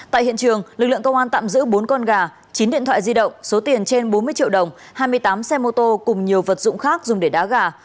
tại hiện trường lực lượng công an tạm giữ bốn con gà chín điện thoại di động số tiền trên bốn mươi triệu đồng hai mươi tám xe mô tô cùng nhiều vật dụng khác dùng để đá gà